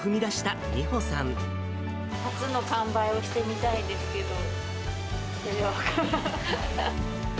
初の完売をしてみたいんですけど、どうかな。